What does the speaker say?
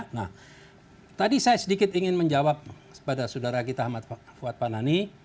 nah tadi saya sedikit ingin menjawab kepada saudara kita ahmad fuad panani